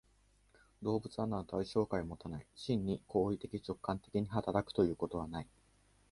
動物はなお対象界をもたない、真に行為的直観的に働くということはない。